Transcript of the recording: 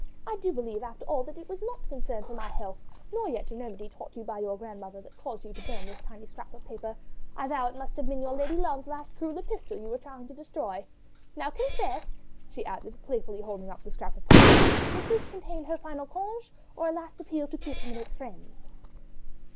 I do believe, after all, that it was not concern for my health, nor yet a remedy taught you by your grandmother that caused you to burn this tiny scrap of paper. ... I vow it must have been your lady love's last cruel epistle you were trying to destroy. Now confess!" she added, playfully holding up the scrap of paper, "does this contain her final congé, or a last appeal to kiss and make friends?"